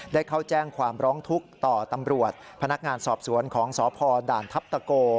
ได้เข้าแจ้งความร้องทุกข์ต่อตำรวจพนักงานสอบสวนของสพด่านทัพตะโก